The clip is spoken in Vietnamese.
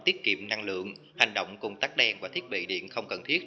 tiết kiệm năng lượng hành động cùng tắc đen và thiết bị điện không cần thiết